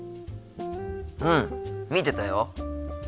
うん見てたよ。